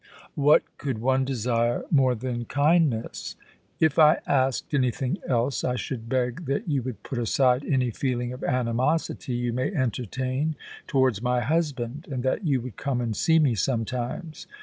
* WTiat could one desire more than kindness ? If I asked anything else, I should beg that you would put aside any feeling of animosity you may entertain towards my husband, and that you would come and see me sometimes.